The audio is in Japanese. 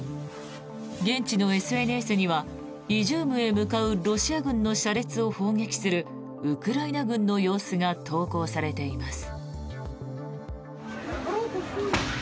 現地のＳＮＳにはイジュームへ向かうロシア軍の車列を砲撃するウクライナ軍の様子が投稿されています。